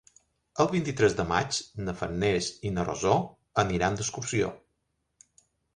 El vint-i-tres de maig na Farners i na Rosó aniran d'excursió.